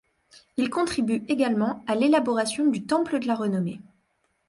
Il contribue également à l’élaboration du Temple de la renommée.